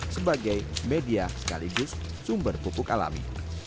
sebagai media sekaligus sumber pupuk alami